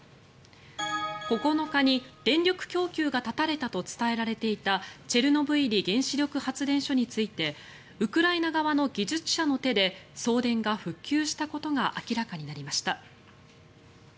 ９日に電力供給が断たれたと伝えられていたチェルノブイリ原子力発電所についてウクライナ側の技術者の手で送電が復旧したことが明らかになりました。